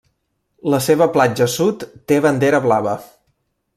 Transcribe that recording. La seva platja sud té Bandera Blava.